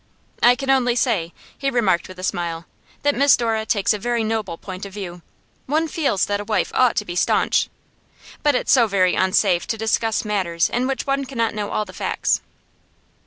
'I can only say,' he remarked with a smile, 'that Miss Dora takes a very noble point of view. One feels that a wife ought to be staunch. But it's so very unsafe to discuss matters in which one cannot know all the facts.